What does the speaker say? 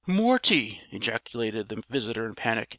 "Morty!" ejaculated the visitor in panic.